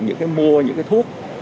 những cái mua những cái thuốc